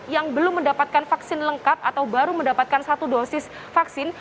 yang belum mendapatkan vaksin lengkap atau baru mendapatkan satu dosis vaksin